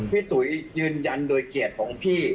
ตุ๋ยยืนยันโดยเกียรติของพี่